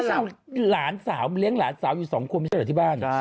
สาวหลานสาวเลี้ยงหลานสาวอยู่สองคนไม่ใช่เหรอที่บ้าน